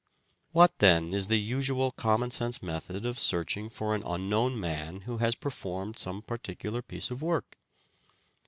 What then is the usual common sense method of searching for an unknown man who has performed some particular piece of work